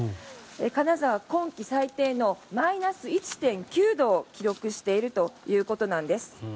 金沢今季最低のマイナス１．９度を記録しているということなんです。